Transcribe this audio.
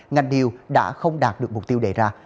ngành điều đã không đạt được mục tiêu đề ra